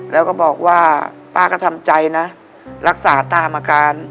แล้วก็บอกว่าป้าก็ทำใจนะรักษาตามอาการ